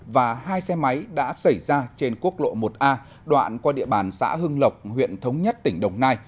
và hai xe máy đã xảy ra trên quốc lộ một a đoạn qua địa bàn xã hưng lộc huyện thống nhất tỉnh đồng nai